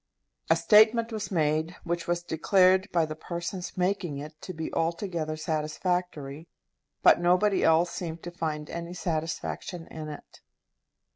A statement was made which was declared by the persons making it to be altogether satisfactory, but nobody else seemed to find any satisfaction in it.